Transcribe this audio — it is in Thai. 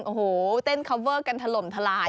โอ้โหเต้นคอเวอร์กันถล่มทลาย